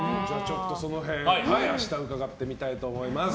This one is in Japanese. その辺、明日伺ってみたいと思います。